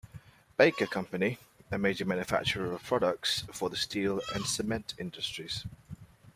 Baker Company, a major manufacturer of products for the steel and cement industries.